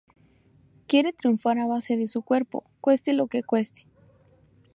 Quiere triunfar a base de su cuerpo, cueste lo que cueste.